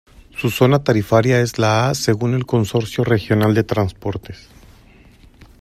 Su zona tarifaria es la A según el Consorcio Regional de Transportes.